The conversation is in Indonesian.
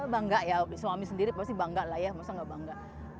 bangga ya suami sendiri pasti bangga lah ya masa gak bangga